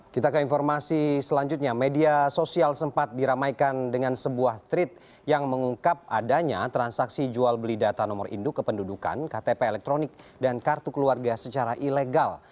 kita ke informasi selanjutnya media sosial sempat diramaikan dengan sebuah tweet yang mengungkap adanya transaksi jual beli data nomor induk kependudukan ktp elektronik dan kartu keluarga secara ilegal